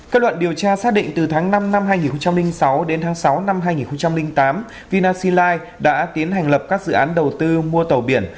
kết luận điều tra xác định từ tháng năm năm hai nghìn sáu đến tháng sáu năm hai nghìn tám vinasili đã tiến hành lập các dự án đầu tư mua tàu biển